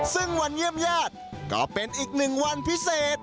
ซึ่งวันเยี่ยมญาติก็เป็นอีกหนึ่งวันพิเศษ